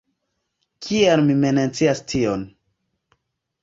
Kial mi mencias tion?